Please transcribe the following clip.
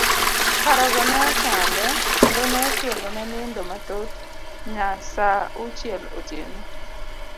Parogo ne ochande kendo ne okelo ne nindo mathoth nya sa auchiel otieno.